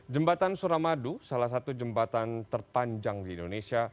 jembatan suramadu salah satu jembatan terpanjang di indonesia